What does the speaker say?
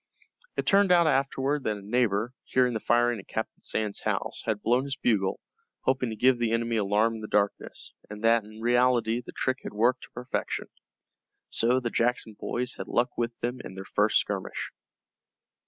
It turned out afterward that a neighbor, hearing the firing at Captain Sands' house, had blown his bugle, hoping to give the enemy alarm in the darkness, and that in reality the trick had worked to perfection. So the Jackson boys had luck with them in their first skirmish.